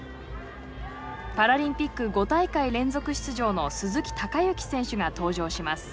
パラリンピック５大会連続出場の鈴木孝幸選手が登場します。